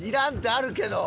あるけど。